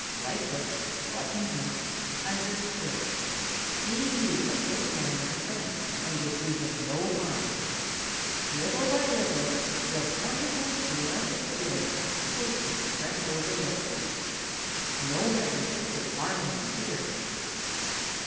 Lightfoot, watching him, understood. He knew that this man was a friend and would do him no harm. Little by little, the wonderful, blessed feeling of safety crept over Lightfoot. No hunter could harm him here.